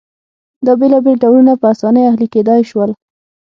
دا بېلابېل ډولونه په اسانۍ اهلي کېدای شول